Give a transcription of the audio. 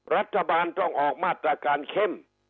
รัฐบาลต้องออกมาตรการเข้ม